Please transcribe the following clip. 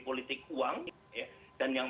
politik uang dan yang